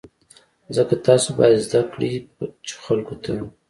ځکه تاسو باید زده کړئ چې خلکو ته.